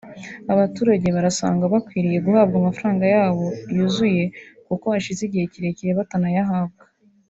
abaturage barasanga bakwiriye guhabwa amafaranga yabo yuzuye kuko hashize igihe kirekire batarayahabwa